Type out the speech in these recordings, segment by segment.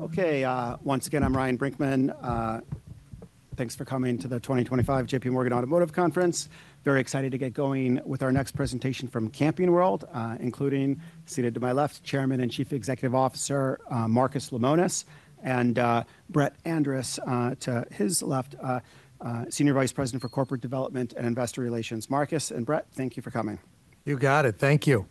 Okay, once again, I'm Ryan Brinkman. Thanks for coming to the 2025 JPMorgan Automotive Conference. Very excited to get going with our next presentation from Camping World, including seated to my left, Chairman and Chief Executive Officer, Marcus Lemonis, and Brett Andress to his left, Senior Vice President for Corporate Development and Investor Relations. Marcus and Brett, thank you for coming. You got it. Thank you.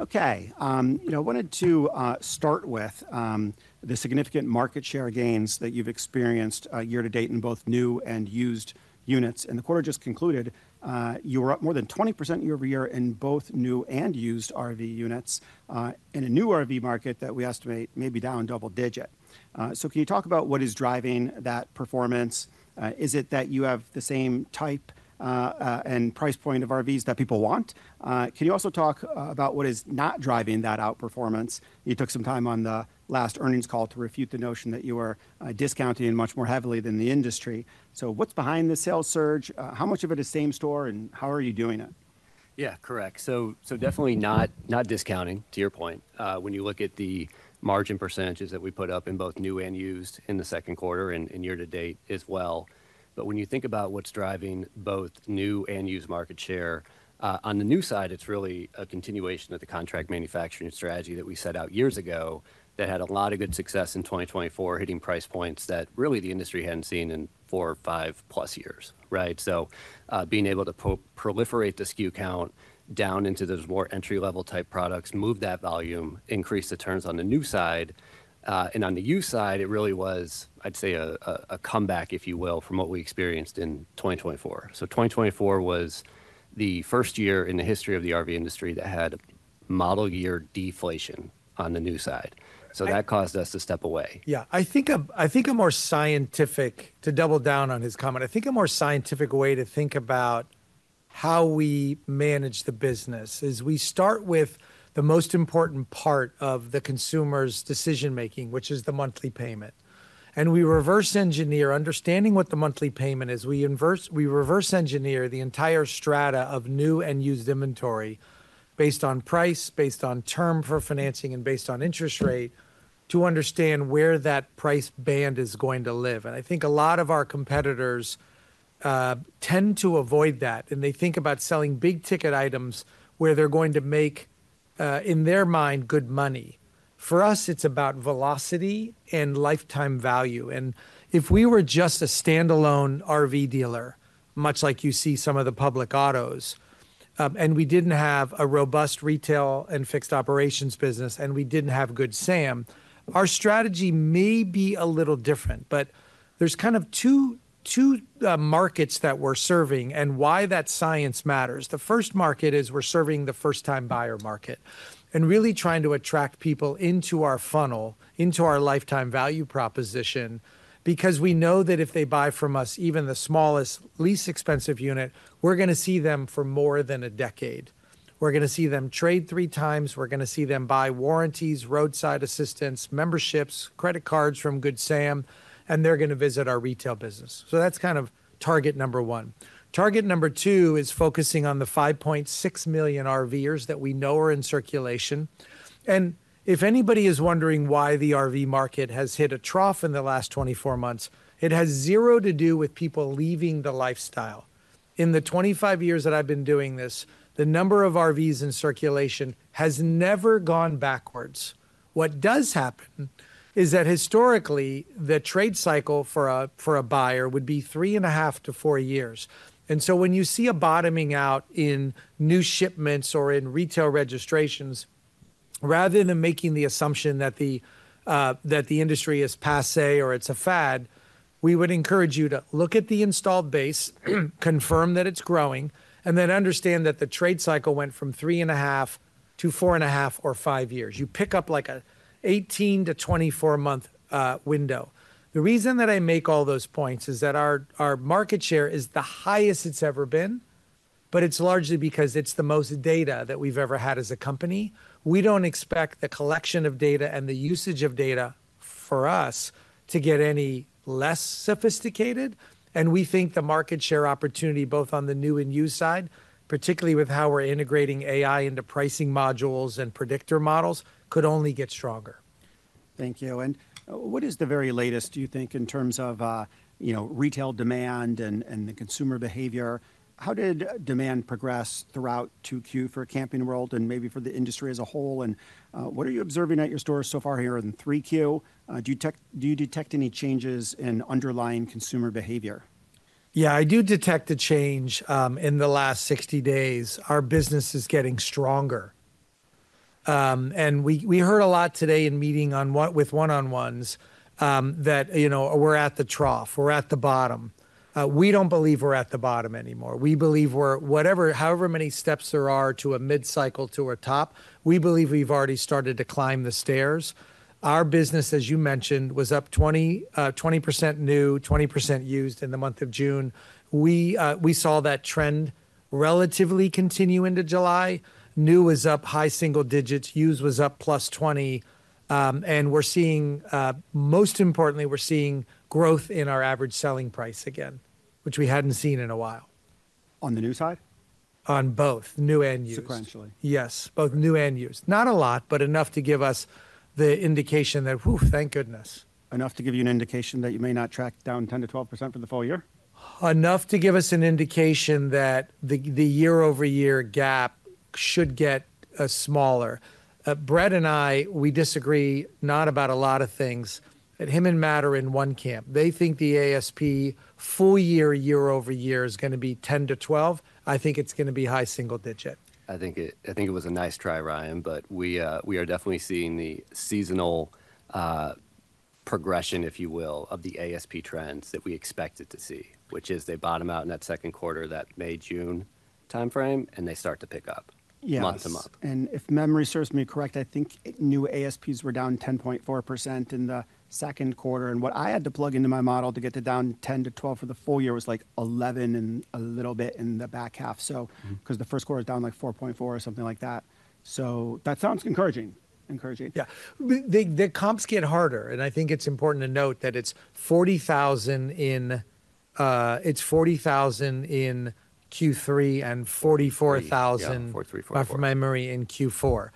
Okay, I wanted to start with the significant market share gains that you've experienced year to date in both new and used units. In the quarter just concluded, you were up more than 20% year over year in both new and used RV units, in a new RV market that we estimate may be down double digits. Can you talk about what is driving that performance? Is it that you have the same type and price point of RVs that people want? Can you also talk about what is not driving that outperformance? You took some time on the last earnings call to refute the notion that you were discounting much more heavily than the industry. What's behind this sales surge? How much of it is same store and how are you doing it? Yeah, correct. Definitely not discounting to your point. When you look at the margin percentages that we put up in both new and used in the second quarter and year to date as well, when you think about what's driving both new and used market share, on the new side, it's really a continuation of the contract manufacturing strategy that we set out years ago that had a lot of good success in 2024, hitting price points that really the industry hadn't seen in four or 5+ years. Right. Being able to proliferate the SKU count down into those more entry-level type products, move that volume, increase the turns on the new side. On the used side, it really was, I'd say, a comeback, if you will, from what we experienced in 2024. 2024 was the first year in the history of the RV industry that had model year deflation on the new side. That caused us to step away. I think a more scientific way to think about how we manage the business is we start with the most important part of the consumer's decision making, which is the monthly payment. We reverse engineer, understanding what the monthly payment is, we reverse engineer the entire strata of new and used inventory based on price, based on term for financing, and based on interest rate to understand where that price band is going to live. I think a lot of our competitors tend to avoid that, and they think about selling big ticket items where they're going to make, in their mind, good money. For us, it's about velocity and lifetime value. If we were just a standalone RV dealer, much like you see some of the public autos, and we didn't have a robust retail and fixed operations business, and we didn't have Good Sam, our strategy may be a little different. There are kind of two markets that we're serving and why that science matters. The first market is we're serving the first-time buyer market and really trying to attract people into our funnel, into our lifetime value proposition, because we know that if they buy from us, even the smallest, least expensive unit, we're going to see them for more than a decade. We're going to see them trade three times. We're going to see them buy warranties, roadside assistance, memberships, credit cards from Good Sam, and they're going to visit our retail business. That's kind of target number one. Target number two is focusing on the 5.6 million RVers that we know are in circulation. If anybody is wondering why the RV market has hit a trough in the last 24 months, it has zero to do with people leaving the lifestyle. In the 25 years that I've been doing this, the number of RVs in circulation has never gone backwards. What does happen is that historically, the trade cycle for a buyer would be three and a half to four years. When you see a bottoming out in new shipments or in retail registrations, rather than making the assumption that the industry is passé or it's a fad, we would encourage you to look at the installed base, confirm that it's growing, and then understand that the trade cycle went from three and a half to four and a half or five years. You pick up like an 18- to 24-month window. The reason that I make all those points is that our market share is the highest it's ever been, but it's largely because it's the most data that we've ever had as a company. We don't expect the collection of data and the usage of data for us to get any less sophisticated. We think the market share opportunity, both on the new and used side, particularly with how we're integrating AI into pricing modules and predictor models, could only get stronger. Thank you. What is the very latest, do you think, in terms of retail demand and the consumer behavior? How did demand progress throughout 2Q for Camping World and maybe for the industry as a whole? What are you observing at your stores so far here in 3Q? Do you detect any changes in underlying consumer behavior? Yeah, I do detect a change in the last 60 days. Our business is getting stronger. We heard a lot today in meeting with one-on-ones that we're at the trough. We're at the bottom. We don't believe we're at the bottom anymore. We believe we're whatever, however many steps there are to a mid-cycle to a top, we believe we've already started to climb the stairs. Our business, as you mentioned, was up 20% new, 20% used in the month of June. We saw that trend relatively continue into July. New was up high single digits, used was up plus 20%. We're seeing, most importantly, we're seeing growth in our average selling price again, which we hadn't seen in a while. On the new side? On both new and used. Sequentially. Yes, both new and used. Not a lot, but enough to give us the indication that, oh, thank goodness. Enough to give you an indication that you may not track down 10%-12% for the full year? Enough to give us an indication that the year-over-year gap should get smaller. Brett and I, we disagree not about a lot of things. He and Matt are in one camp. They think the ASP full year, year over year is going to be 10%-12%. I think it's going to be high single digit. I think it was a nice try, Ryan, but we are definitely seeing the seasonal progression, if you will, of the ASP trends that we expected to see, which is they bottom out in that second quarter, that May-June timeframe, and they start to pick up month to month. If memory serves me correct, I think new ASPs were down 10.4% in the second quarter. What I had to plug into my model to get to down 10%-12% for the full year was like 11% and a little bit in the back half, because the first quarter is down like 4.4% or something like that. That sounds encouraging. Encouraging. The comps get harder. I think it's important to note that it's $40,000 in Q3 and $44,000, if I'm not mistaken, in Q4.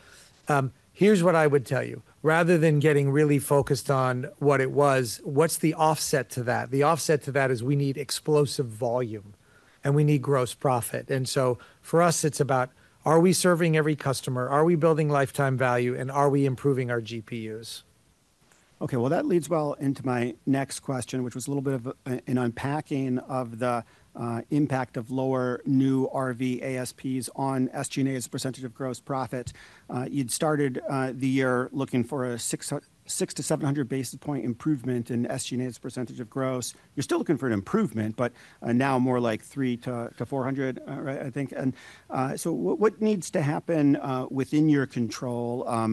Here's what I would tell you. Rather than getting really focused on what it was, what's the offset to that? The offset to that is we need explosive volume and we need gross profit. For us, it's about, are we serving every customer? Are we building lifetime value? Are we improving our GPUs? Okay, that leads well into my next question, which was a little bit of an unpacking of the impact of lower new RV ASPs on SG&A's percentage of gross profit. You'd started the year looking for a 600-700 basis point improvement in SG&A's percentage of gross. You're still looking for an improvement, but now more like 300-400 basis points, I think. What needs to happen within your control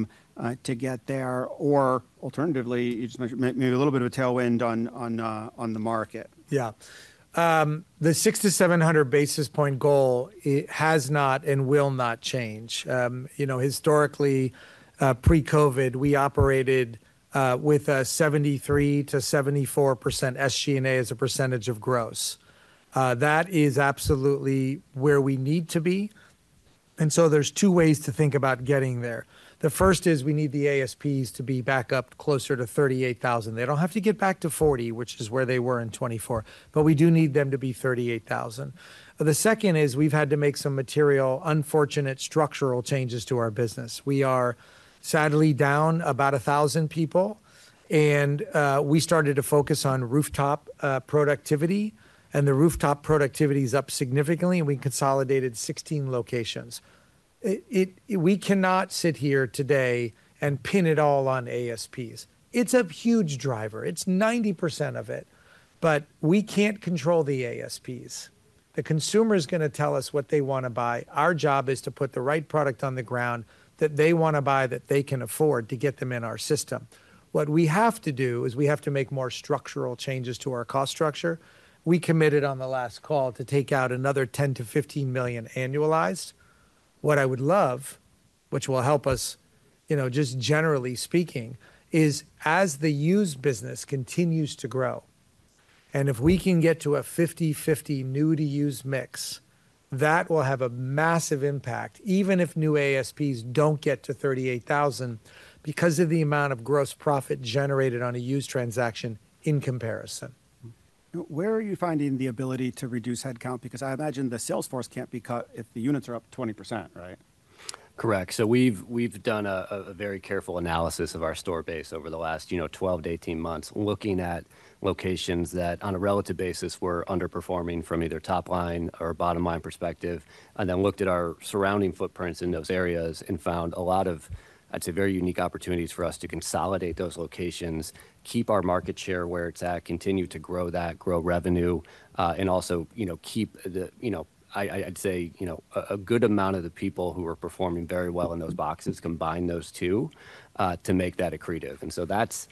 to get there, or alternatively, just maybe a little bit of a tailwind on the market? Yeah, the 600-700 basis point goal has not and will not change. Historically, pre-COVID, we operated with a 73%-74% SG&A as a percentage of gross. That is absolutely where we need to be. There are two ways to think about getting there. The first is we need the ASPs to be back up closer to $38,000. They don't have to get back to $40,000, which is where they were in 2024, but we do need them to be $38,000. The second is we've had to make some material, unfortunate structural changes to our business. We are sadly down about 1,000 people, and we started to focus on rooftop productivity, and the rooftop productivity is up significantly, and we consolidated 16 locations. We cannot sit here today and pin it all on ASPs. It's a huge driver. It's 90% of it. We can't control the ASPs. The consumer is going to tell us what they want to buy. Our job is to put the right product on the ground that they want to buy that they can afford to get them in our system. What we have to do is we have to make more structural changes to our cost structure. We committed on the last call to take out another $10 million-$15 million annualized. What I would love, which will help us, just generally speaking, is as the used business continues to grow, and if we can get to a 50/50 new to used mix, that will have a massive impact, even if new ASPs don't get to $38,000 because of the amount of gross profit generated on a used transaction in comparison. Where are you finding the ability to reduce headcount? I imagine the sales force can't be cut if the units are up 20%, right? Correct. We've done a very careful analysis of our store base over the last 12-18 months, looking at locations that on a relative basis were underperforming from either top line or bottom line perspective. We looked at our surrounding footprints in those areas and found a lot of, I'd say, very unique opportunities for us to consolidate those locations, keep our market share where it's at, continue to grow that, grow revenue, and also keep a good amount of the people who are performing very well in those boxes, combine those two to make that accretive. That's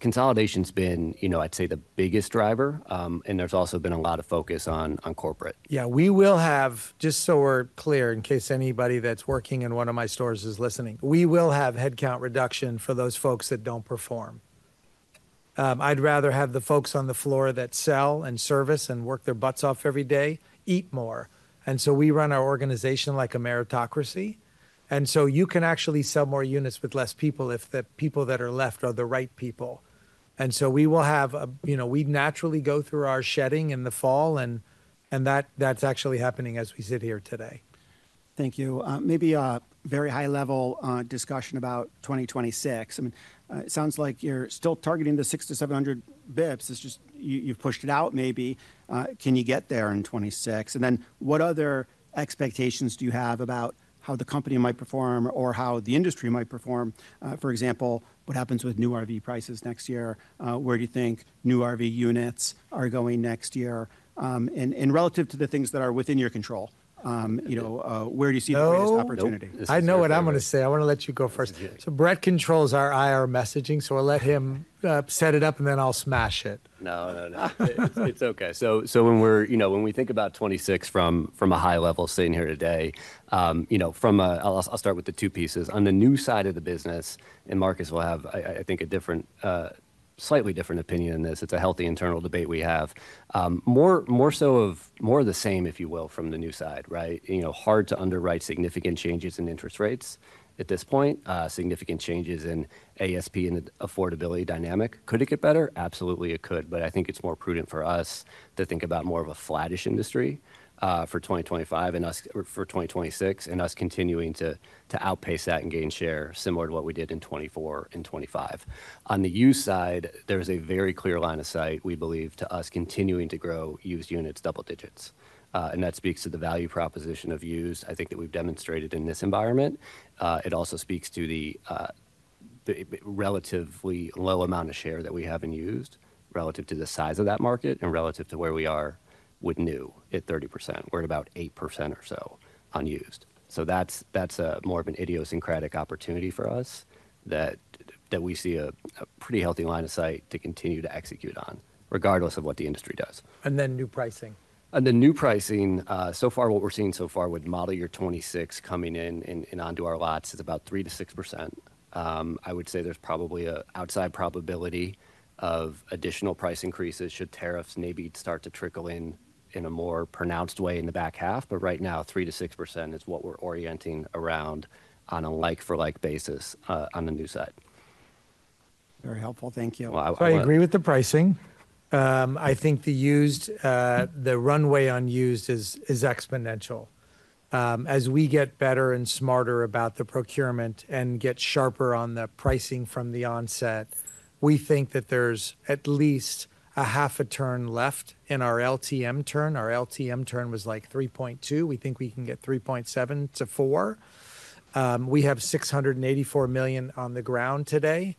consolidation's been, I'd say, the biggest driver. There's also been a lot of focus on corporate. Yeah, we will have, just so we're clear, in case anybody that's working in one of my stores is listening, we will have headcount reduction for those folks that don't perform. I'd rather have the folks on the floor that sell and service and work their butts off every day eat more. We run our organization like a meritocracy. You can actually sell more units with less people if the people that are left are the right people. We will have, you know, we naturally go through our shedding in the fall, and that's actually happening as we sit here today. Thank you. Maybe a very high-level discussion about 2026. It sounds like you're still targeting the 600-700 bps. You've pushed it out maybe. Can you get there in 2026? What other expectations do you have about how the company might perform or how the industry might perform? For example, what happens with new RV prices next year? Where do you think new RV units are going next year? Relative to the things that are within your control, where do you see the biggest opportunity? I know what I'm going to say. I want to let you go first. Brett controls our IR messaging, so I'll let him set it up and then I'll smash it. No, no, no. It's okay. When we think about 2026 from a high level sitting here today, I'll start with the two pieces. On the new side of the business, and Marcus will have, I think, a slightly different opinion than this. It's a healthy internal debate we have. More so of more of the same, if you will, from the new side, right? Hard to underwrite significant changes in interest rates at this point, significant changes in ASP and the affordability dynamic. Could it get better? Absolutely, it could. I think it's more prudent for us to think about more of a flattish industry for 2025 and us for 2026 and us continuing to outpace that and gain share similar to what we did in 2024 and 2025. On the used side, there's a very clear line of sight, we believe, to us continuing to grow used units double digits. That speaks to the value proposition of used. I think that we've demonstrated in this environment. It also speaks to the relatively low amount of share that we have in used relative to the size of that market and relative to where we are with new at 30%. We're at about 8% or so in used. That's more of an idiosyncratic opportunity for us that we see a pretty healthy line of sight to continue to execute on, regardless of what the industry does. New pricing. The new pricing, so far, what we're seeing so far with model year 2026 coming in and onto our lots is about 3%-6%. I would say there's probably an outside probability of additional price increases should tariffs maybe start to trickle in in a more pronounced way in the back half. Right now, 3%-6% is what we're orienting around on a like-for-like basis on the new side. Very helpful. Thank you. I agree with the pricing. I think the runway on used is exponential. As we get better and smarter about the procurement and get sharper on the pricing from the onset, we think that there's at least a half a turn left in our LTM turn. Our LTM turn was like 3.2. We think we can get 3.7-4. We have $684 million on the ground today,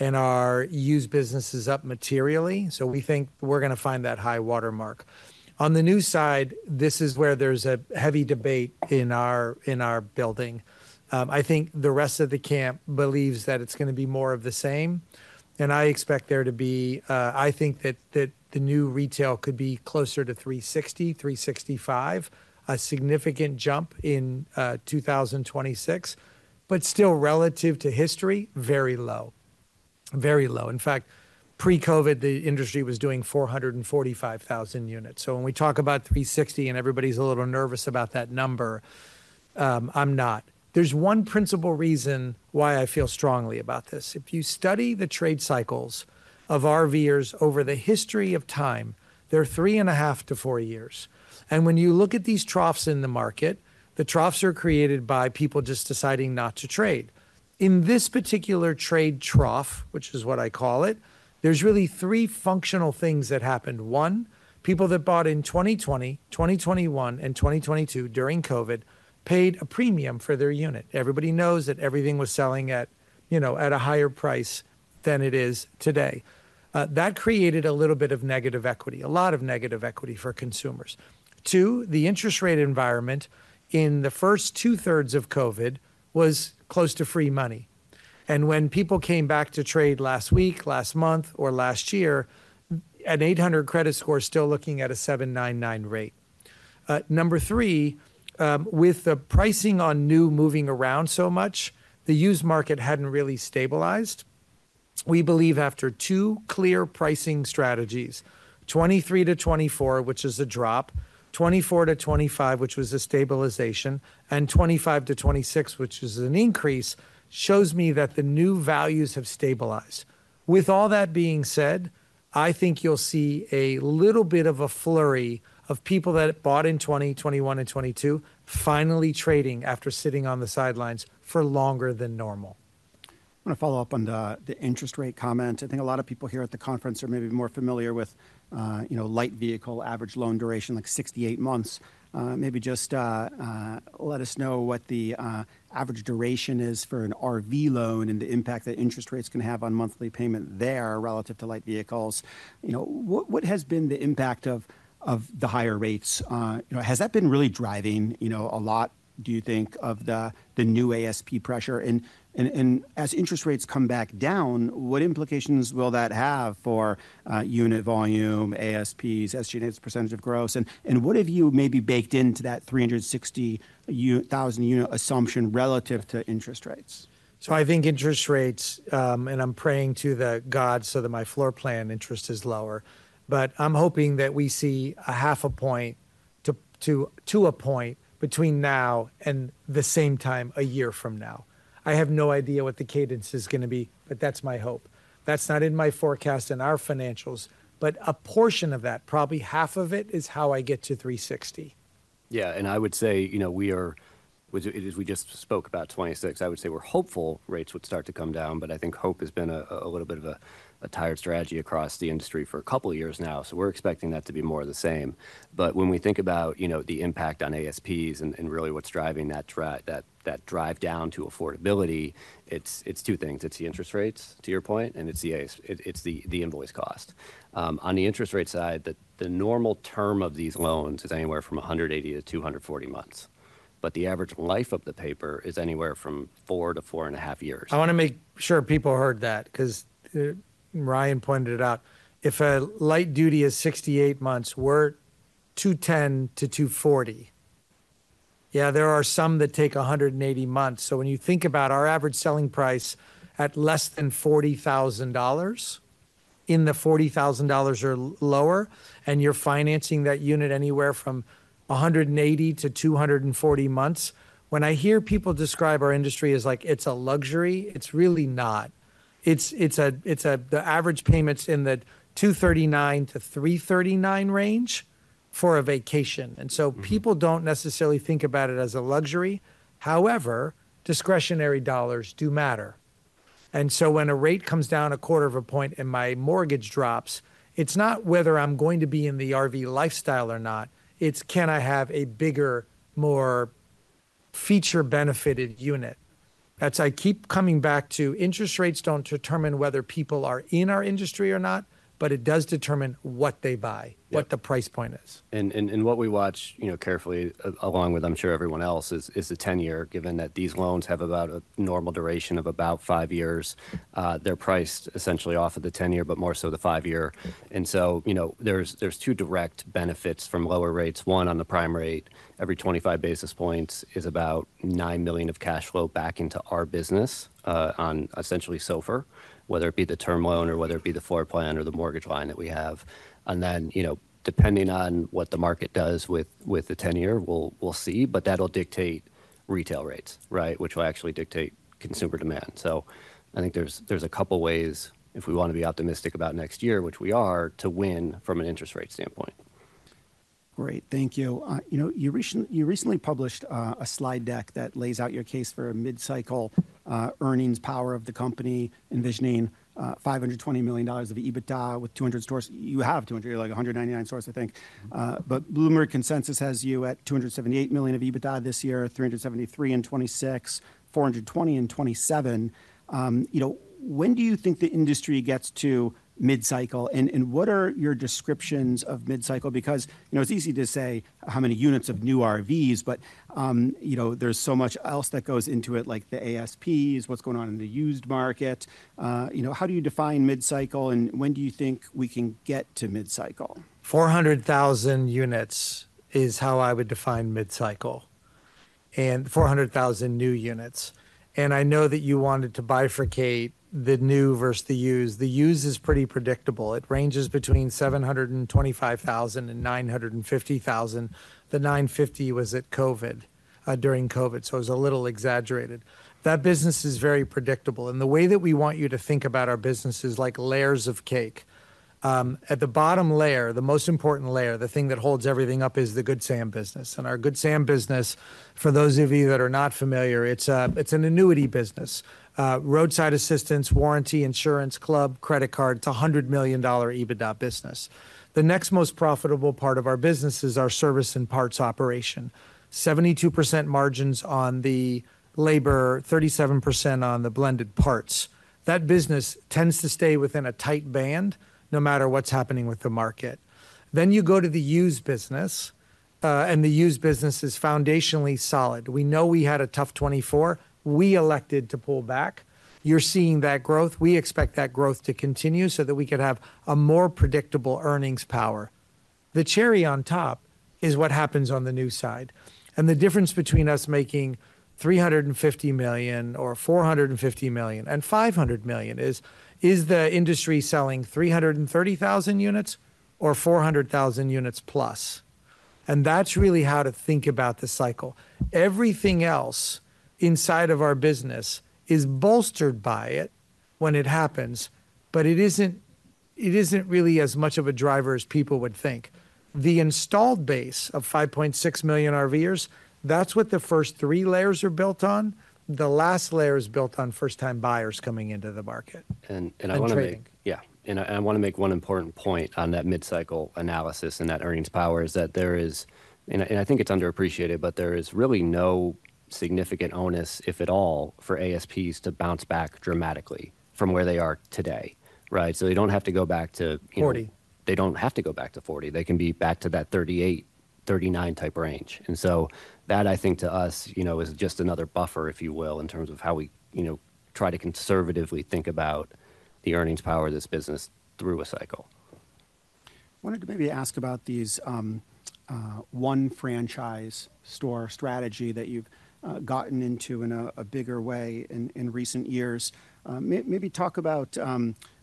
and our used business is up materially. We think we're going to find that high watermark. On the new side, this is where there's a heavy debate in our building. I think the rest of the camp believes that it's going to be more of the same. I expect there to be, I think that the new retail could be closer to 360,000, 365,000 units, a significant jump in 2026, but still relative to history, very low. Very low. In fact, pre-COVID, the industry was doing 445,000 units. When we talk about 360,000 units and everybody's a little nervous about that number, I'm not. There's one principal reason why I feel strongly about this. If you study the trade cycles of RVers over the history of time, they're three and a half to four years. When you look at these troughs in the market, the troughs are created by people just deciding not to trade. In this particular trade trough, which is what I call it, there's really three functional things that happened. One, people that bought in 2020, 2021, and 2022 during COVID paid a premium for their unit. Everybody knows that everything was selling at, you know, at a higher price than it is today. That created a little bit of negative equity, a lot of negative equity for consumers. Two, the interest rate environment in the first 2/3 of COVID was close to free money. When people came back to trade last week, last month, or last year, an 800 credit score is still looking at a 7.99% rate. Number three, with the pricing on new moving around so much, the used market hadn't really stabilized. We believe after two clear pricing strategies, 2023 to 2024, which is a drop, 2024 to 2025, which was a stabilization, and 2025 to 2026, which is an increase, shows me that the new values have stabilized. With all that being said, I think you'll see a little bit of a flurry of people that bought in 2021 and 2022 finally trading after sitting on the sidelines for longer than normal. I want to follow up on the interest rate comment. I think a lot of people here at the conference are maybe more familiar with, you know, light vehicle average loan duration, like 68 months. Maybe just let us know what the average duration is for an RV loan and the impact that interest rates can have on monthly payment there relative to light vehicles. What has been the impact of the higher rates? Has that been really driving, you know, a lot, do you think, of the new ASP pressure? As interest rates come back down, what implications will that have for unit volume, ASPs, SG&A's percentage of gross? What have you maybe baked into that 360,000 unit assumption relative to interest rates? I think interest rates, and I'm praying to the gods so that my floor plan interest is lower, but I'm hoping that we see a half a point to a point between now and the same time a year from now. I have no idea what the cadence is going to be, but that's my hope. That's not in my forecast and our financials, but a portion of that, probably half of it, is how I get to 360,000 units. Yeah, I would say, you know, we are, as we just spoke about, 2026, I would say we're hopeful rates would start to come down. I think hope has been a little bit of a tired strategy across the industry for a couple of years now. We're expecting that to be more of the same. When we think about the impact on ASPs and really what's driving that drive down to affordability, it's two things. It's the interest rates, to your point, and it's the invoice cost. On the interest rate side, the normal term of these loans is anywhere from 180-240 months, but the average life of the paper is anywhere from four to four and a half years. I want to make sure people heard that because Ryan pointed it out. If a light duty is 68 months, we're 210-240 months. There are some that take 180 months. When you think about our average selling price at less than $40,000, in the $40,000 or lower, and you're financing that unit anywhere from 180-240 months, when I hear people describe our industry as like it's a luxury, it's really not. The average payment is in the $239-$339 range for a vacation. People don't necessarily think about it as a luxury. However, discretionary dollars do matter. When a rate comes down a quarter of a point and my mortgage drops, it's not whether I'm going to be in the RV lifestyle or not. It's can I have a bigger, more feature-benefited unit? I keep coming back to interest rates don't determine whether people are in our industry or not, but it does determine what they buy, what the price point is. What we watch carefully, along with I'm sure everyone else, is the 10-year, given that these loans have about a normal duration of about five years. They're priced essentially off of the 10-year, but more so the five-year. There are two direct benefits from lower rates. One, on the prime rate, every 25 basis points is about $9 million of cash flow back into our business on essentially SOFR, whether it be the term loan or whether it be the floor plan or the mortgage line that we have. Depending on what the market does with the 10-year, we'll see, but that'll dictate retail rates, which will actually dictate consumer demand. I think there's a couple of ways, if we want to be optimistic about next year, which we are, to win from an interest rate standpoint. Great, thank you. You know, you recently published a slide deck that lays out your case for a mid-cycle earnings power of the company, envisioning $520 million of EBITDA with 200 stores. You have 200, you're like 199 stores, I think. Bloomberg Consensus has you at $278 million of EBITDA this year, $373 million in 2026, $420 million in 2027. When do you think the industry gets to mid-cycle? What are your descriptions of mid-cycle? It's easy to say how many units of new RVs, but there's so much else that goes into it, like the ASPs, what's going on in the used market. How do you define mid-cycle and when do you think we can get to mid-cycle? 400,000 units is how I would define mid-cycle. 400,000 new units. I know that you wanted to bifurcate the new versus the used. The used is pretty predictable. It ranges between 725,000 and 950,000. The 950,000 was at COVID, during COVID, so it was a little exaggerated. That business is very predictable. The way that we want you to think about our business is like layers of cake. At the bottom layer, the most important layer, the thing that holds everything up is the Good Sam business. Our Good Sam business, for those of you that are not familiar, it's an annuity business. Roadside assistance, warranty, insurance, club, credit card, it's a $100 million EBITDA business. The next most profitable part of our business is our service and parts operation. 72% margins on the labor, 37% on the blended parts. That business tends to stay within a tight band, no matter what's happening with the market. You go to the used business, and the used business is foundationally solid. We know we had a tough 2024. We elected to pull back. You're seeing that growth. We expect that growth to continue so that we can have a more predictable earnings power. The cherry on top is what happens on the new side. The difference between us making $350 million or $450 million and $500 million is, is the industry selling 330,000 units or 400,000+ units? That's really how to think about the cycle. Everything else inside of our business is bolstered by it when it happens, but it isn't really as much of a driver as people would think. The installed base of 5.6 million RVers, that's what the first three layers are built on. The last layer is built on first-time buyers coming into the market. I want to make one important point on that mid-cycle analysis and that earnings power. There is, and I think it's underappreciated, really no significant onus, if at all, for ASPs to bounce back dramatically from where they are today, right? They don't have to go back to $40,000. They don't have to go back to $40,000. They can be back to that $38,000, $39,000-type range. That, I think, to us, is just another buffer, if you will, in terms of how we try to conservatively think about the earnings power of this business through a cycle. I wanted to maybe ask about this one franchise store strategy that you've gotten into in a bigger way in recent years. Maybe talk about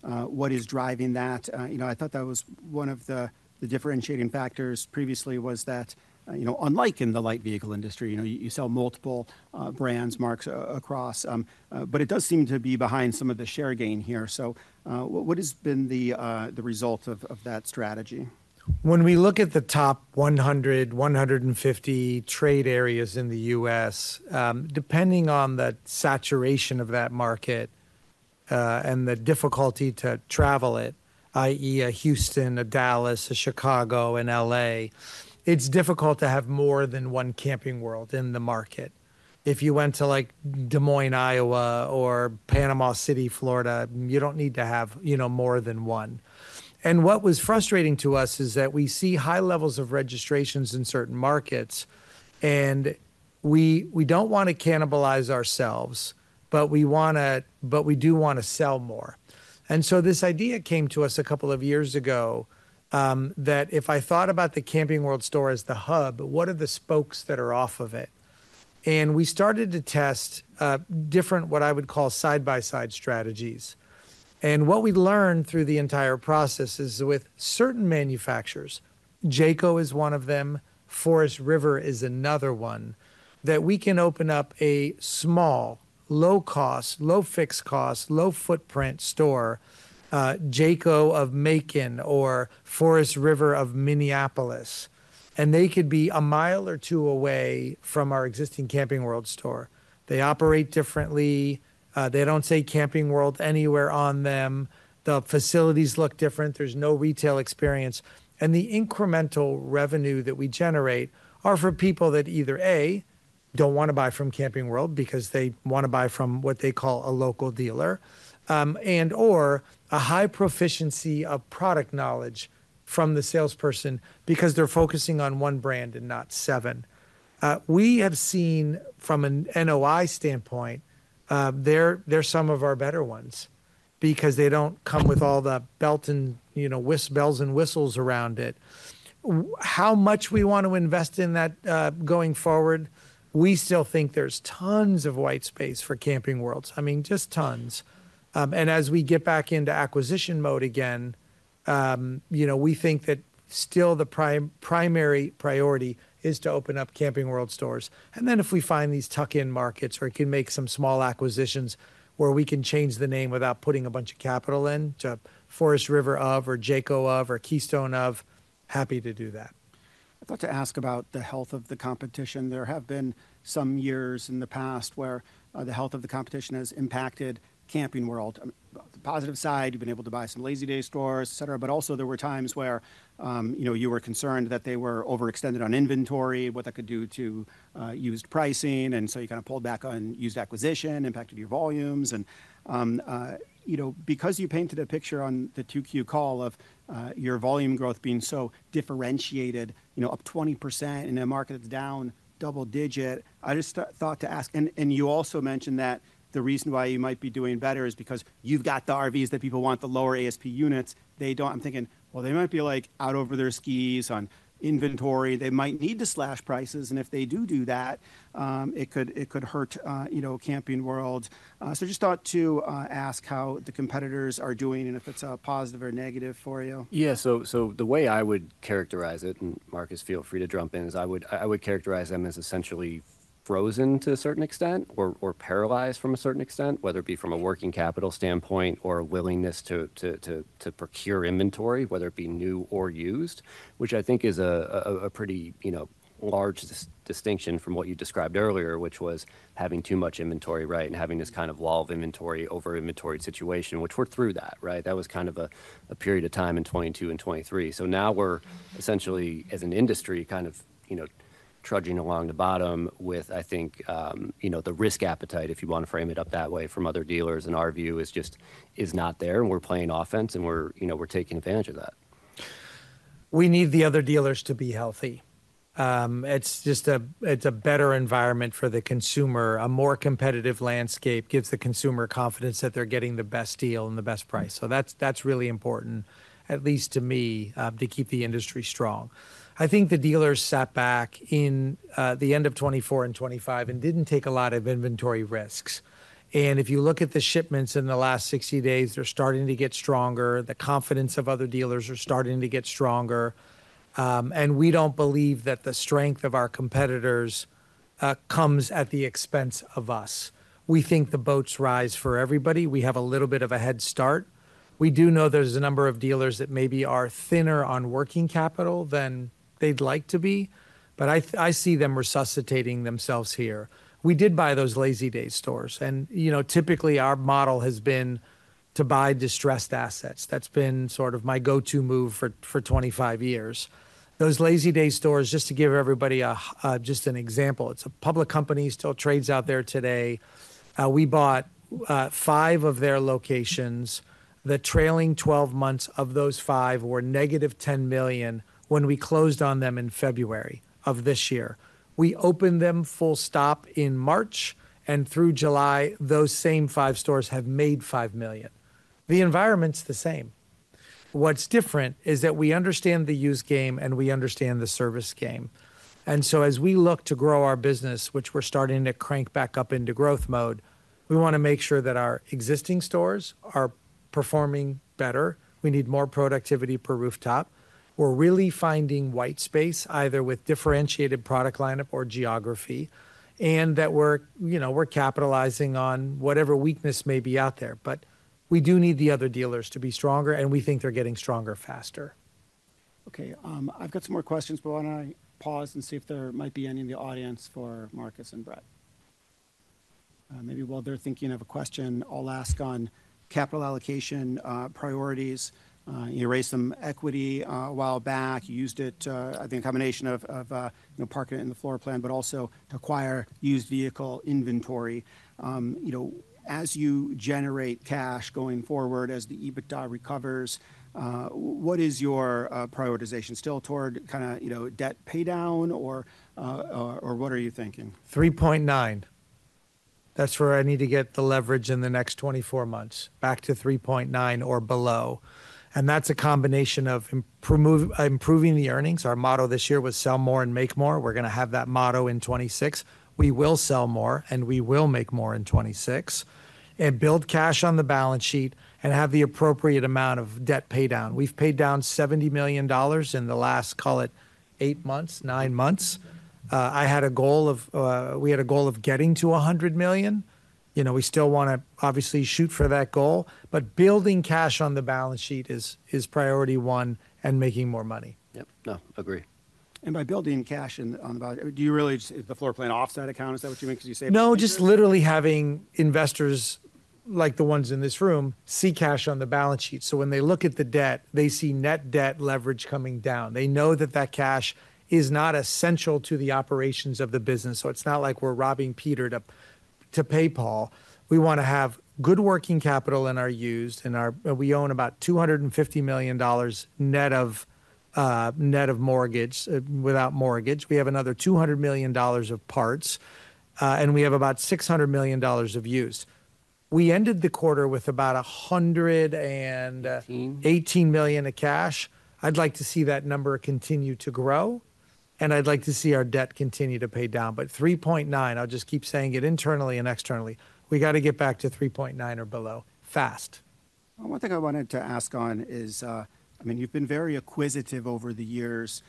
what is driving that. I thought that was one of the differentiating factors previously, that unlike in the light vehicle industry, you sell multiple brands, marks across, but it does seem to be behind some of the share gain here. What has been the result of that strategy? When we look at the top 100, 150 trade areas in the U.S., depending on the saturation of that market and the difficulty to travel it, i.e., a Houston, a Dallas, a Chicago, an L.A., it's difficult to have more than one Camping World in the market. If you went to like Des Moines, Iowa, or Panama City, Florida, you don't need to have more than one. What was frustrating to us is that we see high levels of registrations in certain markets, and we don't want to cannibalize ourselves, but we do want to sell more. This idea came to us a couple of years ago that if I thought about the Camping World store as the hub, what are the spokes that are off of it? We started to test different, what I would call, side-by-side strategies. What we learned through the entire process is with certain manufacturers, Jayco is one of them, Forest River is another one, that we can open up a small, low-cost, low-fixed cost, low-footprint store, Jayco of Macon or Forest River of Minneapolis. They could be a mile or two away from our existing Camping World store. They operate differently. They don't say Camping World anywhere on them. The facilities look different. There's no retail experience. The incremental revenue that we generate are for people that either, A, don't want to buy from Camping World because they want to buy from what they call a local dealer, and/or a high proficiency of product knowledge from the salesperson because they're focusing on one brand and not seven. We have seen from an NOI standpoint, they're some of our better ones because they don't come with all the bells and whistles around it. How much we want to invest in that going forward, we still think there's tons of white space for Camping Worlds. I mean, just tons. As we get back into acquisition mode again, we think that still the primary priority is to open up Camping World stores. If we find these tuck-in markets where we can make some small acquisitions where we can change the name without putting a bunch of capital in to Forest River of or Jayco of or Keystone of, happy to do that. I'd like to ask about the health of the competition. There have been some years in the past where the health of the competition has impacted Camping World. The positive side, you've been able to buy some Lazydays stores, et cetera, but also there were times where you were concerned that they were overextended on inventory, what that could do to used pricing. You kind of pulled back on used acquisition, impacted your volumes. Because you painted a picture on the 2Q call of your volume growth being so differentiated, up 20% in a market that's down double digit, I just thought to ask, and you also mentioned that the reason why you might be doing better is because you've got the RVs that people want, the lower ASP units. They don't, I'm thinking, they might be out over their skis on inventory. They might need to slash prices, and if they do that, it could hurt Camping World. I just thought to ask how the competitors are doing and if it's a positive or negative for you. Yeah, the way I would characterize it, and Marcus, feel free to jump in, is I would characterize them as essentially frozen to a certain extent or paralyzed from a certain extent, whether it be from a working capital standpoint or a willingness to procure inventory, whether it be new or used, which I think is a pretty large distinction from what you described earlier, which was having too much inventory, right, and having this kind of lull of inventory, overinventory situation. We're through that, right? That was kind of a period of time in 2022 and 2023. Now we're essentially, as an industry, trudging along the bottom with, I think, the risk appetite, if you want to frame it up that way, from other dealers in our view is just not there, and we're playing offense, and we're taking advantage of that. We need the other dealers to be healthy. It's just a better environment for the consumer. A more competitive landscape gives the consumer confidence that they're getting the best deal and the best price. That's really important, at least to me, to keep the industry strong. I think the dealers sat back in the end of 2024 and 2025 and didn't take a lot of inventory risks. If you look at the shipments in the last 60 days, they're starting to get stronger. The confidence of other dealers is starting to get stronger. We don't believe that the strength of our competitors comes at the expense of us. We think the boats rise for everybody. We have a little bit of a head start. We do know there's a number of dealers that maybe are thinner on working capital than they'd like to be, but I see them resuscitating themselves here. We did buy those Lazydays stores. Typically, our model has been to buy distressed assets. That's been sort of my go-to move for 25 years. Those Lazydays stores, just to give everybody just an example, it's a public company still trades out there today. We bought five of their locations. The trailing 12 months of those five were -$10 million when we closed on them in February of this year. We opened them full stop in March, and through July, those same five stores have made $5 million. The environment's the same. What's different is that we understand the used game and we understand the service game. As we look to grow our business, which we're starting to crank back up into growth mode, we want to make sure that our existing stores are performing better. We need more productivity per rooftop. We're really finding white space, either with differentiated product lineup or geography, and that we're capitalizing on whatever weakness may be out there. We do need the other dealers to be stronger, and we think they're getting stronger faster. Okay, I've got some more questions, but I want to pause and see if there might be any in the audience for Marcus and Brett. Maybe while they're thinking of a question, I'll ask on capital allocation priorities. You raised some equity a while back. You used it, I think, a combination of parking it in the floor plan, but also to acquire used vehicle inventory. As you generate cash going forward, as the EBITDA recovers, what is your prioritization? Still toward kind of, you know, debt paydown or what are you thinking? 3.9. That's where I need to get the leverage in the next 24 months, back to 3.9 or below. That's a combination of improving the earnings. Our motto this year was sell more and make more. We're going to have that motto in 2026. We will sell more and we will make more in 2026. Build cash on the balance sheet and have the appropriate amount of debt paydown. We've paid down $70 million in the last, call it, eight months, nine months. I had a goal of, we had a goal of getting to $100 million. We still want to obviously shoot for that goal, but building cash on the balance sheet is priority one and making more money. Yep, no, agree. By building cash on the balance sheet, do you really mean the floor plan offset account? Because you say. No, just literally having investors, like the ones in this room, see cash on the balance sheet. When they look at the debt, they see net leverage coming down. They know that cash is not essential to the operations of the business. It's not like we're robbing Peter to pay Paul. We want to have good working capital in our used. We own about $250 million net of mortgage, without mortgage. We have another $200 million of parts, and we have about $600 million of used. We ended the quarter with about $118 million of cash. I'd like to see that number continue to grow. I'd like to see our debt continue to pay down. 3.9, I'll just keep saying it internally and externally, we got to get back to 3.9 or below fast. One thing I wanted to ask on is, I mean, you've been very acquisitive over the years.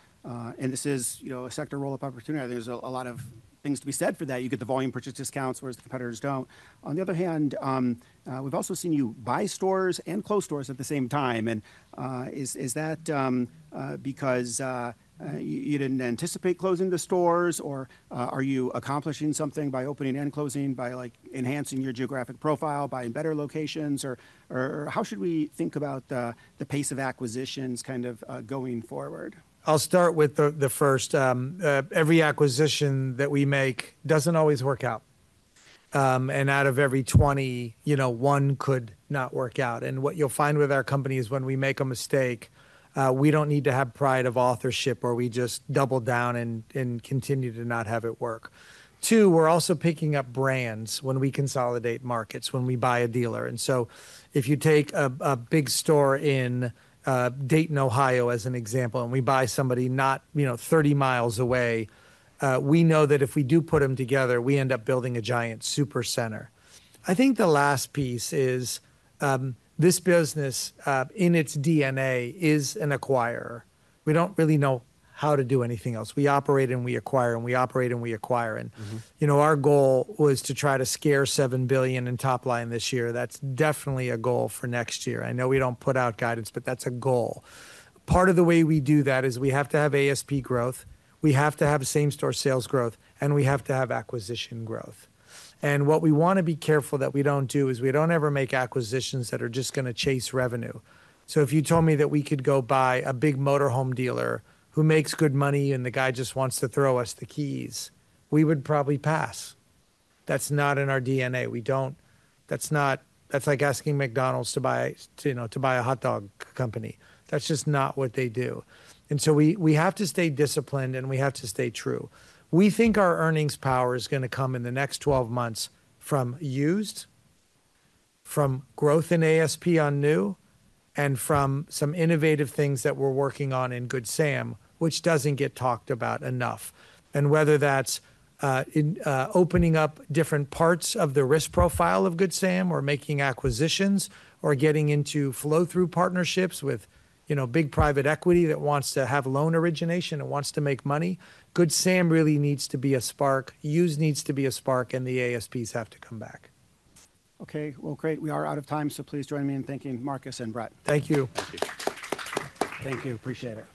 This is, you know, a sector roll-up opportunity. There's a lot of things to be said for that. You get the volume purchase discounts whereas the competitors don't. We've also seen you buy stores and close stores at the same time. Is that because you didn't anticipate closing the stores, or are you accomplishing something by opening and closing, by like enhancing your geographic profile, buying better locations? How should we think about the pace of acquisitions kind of going forward? I'll start with the first. Every acquisition that we make doesn't always work out. Out of every 20, you know, one could not work out. What you'll find with our company is when we make a mistake, we don't need to have pride of authorship or we just double down and continue to not have it work. We're also picking up brands when we consolidate markets, when we buy a dealer. If you take a big store in Dayton, Ohio, as an example, and we buy somebody not, you know, 30 mi away, we know that if we do put them together, we end up building a giant supercenter. I think the last piece is this business in its DNA is an acquirer. We don't really know how to do anything else. We operate and we acquire, and we operate and we acquire. Our goal was to try to scare $7 billion in top line this year. That's definitely a goal for next year. I know we don't put out guidance, but that's a goal. Part of the way we do that is we have to have ASP growth, we have to have same-store sales growth, and we have to have acquisition growth. What we want to be careful that we don't do is we don't ever make acquisitions that are just going to chase revenue. If you told me that we could go buy a big motorhome dealer who makes good money and the guy just wants to throw us the keys, we would probably pass. That's not in our DNA. That's like asking McDonald's to buy, you know, to buy a hot dog company. That's just not what they do. We have to stay disciplined and we have to stay true. We think our earnings power is going to come in the next 12 months from used, from growth in ASP on new, and from some innovative things that we're working on in Good Sam, which doesn't get talked about enough. Whether that's opening up different parts of the risk profile of Good Sam or making acquisitions or getting into flow-through partnerships with, you know, big private equity that wants to have loan origination and wants to make money, Good Sam really needs to be a spark. Used needs to be a spark and the ASPs have to come back. Okay, great. We are out of time, so please join me in thanking Marcus and Brett. Thank you. Thank you. Thank you. Appreciate it.